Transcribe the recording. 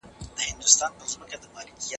څېړنه او کره کتنه هېڅکله مترادف کلمات نه دي.